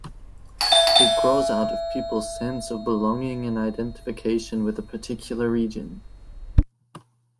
It grows out of people's sense of belonging and identification with a particular region.